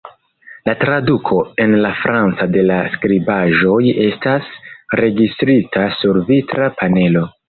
La traduko en la franca de la skribaĵoj estas registrita sur vitra panelo.